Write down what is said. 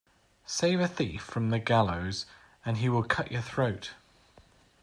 Save a thief from the gallows and he will cut your throat.